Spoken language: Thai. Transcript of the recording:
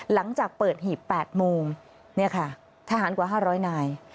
หลังจากเปิดหีบแปดมูมเนี่ยค่ะทหารกว่าห้าร้อยนาย